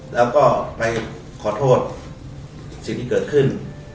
แล้วก็ไปขอโทษสิ่งที่เกิดขึ้น